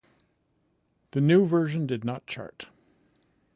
The new version did not chart.